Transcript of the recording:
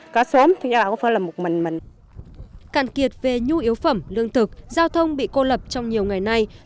cạn kiệt về nhu yếu phẩm lương thực giao thông bị cô lập trong nhiều ngày nay